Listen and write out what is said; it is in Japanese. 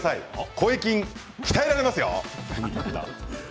声筋、鍛えられますよ！